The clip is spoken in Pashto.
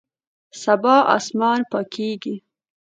سبا اسمان پاکیږي